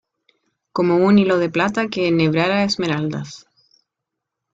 Como un hilo de plata que enhebrara esmeraldas.